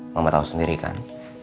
mama tahu sendiri kan